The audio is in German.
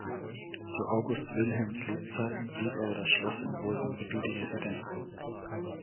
Zu August Wilhelms Lebzeiten blieb aber das Schloss in Wolfenbüttel die Residenz.